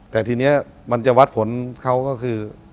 แต่ทีนี้มันจะวัดผลเขาก็คือ